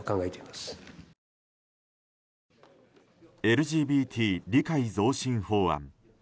ＬＧＢＴ理解増進法案。